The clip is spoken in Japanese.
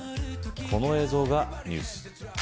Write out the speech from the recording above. この映像がニュース。